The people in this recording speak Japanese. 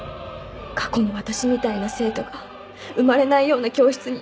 過去の私みたいな生徒が生まれないような教室に。